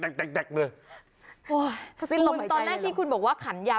ว่าว่าคุณตอนแรกที่คุณบอกว่าขันยาว